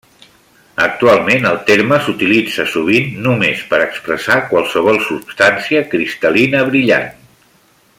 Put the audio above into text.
Actualment el terme s'utilitza sovint només per expressar qualsevol substància cristal·lina brillant.